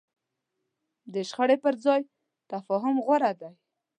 د شخړې پر ځای تفاهم غوره دی.